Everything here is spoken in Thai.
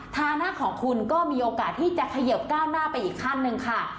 ฐานะของคุณก็มีโอกาสที่จะเขยิบก้าวหน้าไปอีกขั้นหนึ่งค่ะ